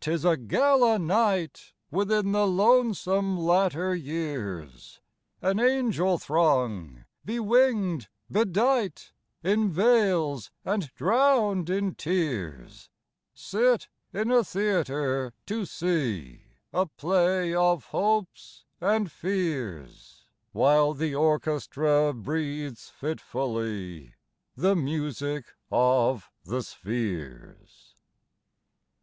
'tis a gala nightWithin the lonesome latter years! An angel throng, bewinged, bedightIn veils, and drowned in tears, Sit in a theatre, to seeA play of hopes and fears, While the orchestra breathes fitfullyThe music of the spheres.